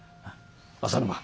浅沼。